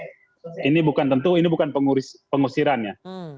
yang pertama mbak ini bukan tentu ini bukan pengusirannya